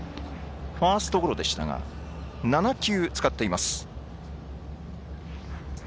ファーストゴロでしたが７球使っています。